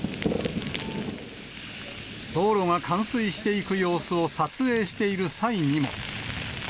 道路が冠水していく様子を撮影している際にも。